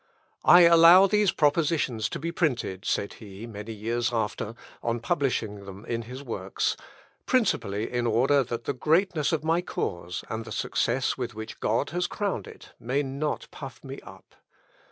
"I allow these propositions to be printed," said he, many years after, on publishing them in his works, "principally in order that the greatness of my cause, and the success with which God has crowned it, may not puff me up.